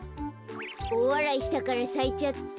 おおわらいしたからさいちゃった。